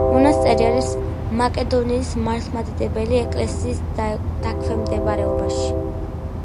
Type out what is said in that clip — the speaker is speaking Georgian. მონასტერი არის მაკედონიის მართლმადიდებელი ეკლესიის დაქვემდებარებაში.